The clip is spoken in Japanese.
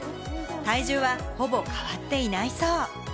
体重はほぼ変わっていないそう。